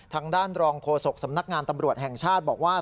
ทางด้านรองโฆษกสำนักงานตำรวจแห่งชาติบอกว่า